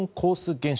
現象